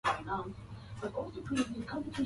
unatafuta njia ya Jane Austen unaweza kutembelea